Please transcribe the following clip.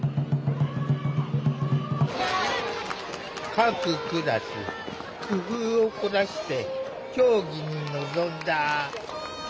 各クラス工夫を凝らして競技に臨んだ。